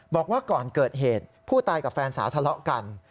บอกว่าก่อนเกิดเหตุผู้ตายกับแฟนสาวทะเลาะกัน